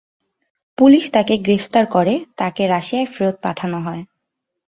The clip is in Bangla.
পুলিশ তাকে গ্রেফতার করে, তাকে রাশিয়ায় ফেরত পাঠানো হয়।